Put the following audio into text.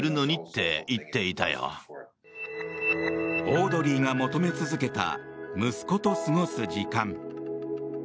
オードリーが求め続けた息子と過ごす時間。